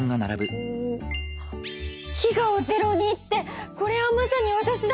「飢餓をゼロに」ってこれはまさにわたしだ！